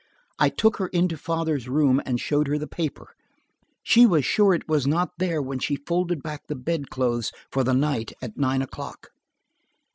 I took her into father's room and showed her the paper. She was sure it was not there when she folded back the bed clothes for the night at nine o'clock."